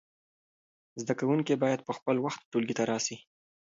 زده کوونکي باید په خپل وخت ټولګي ته راسی.